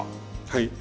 はい。